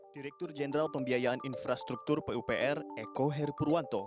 direktur jenderal pembiayaan infrastruktur pupr eko herpurwanto